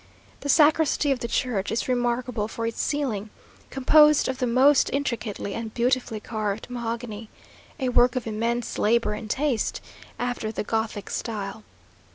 The sacristy of the church is remarkable for its ceiling, composed of the most intricately and beautifully carved mahogany; a work of immense labour and taste, after the Gothic style.